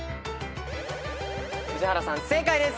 宇治原さん正解です。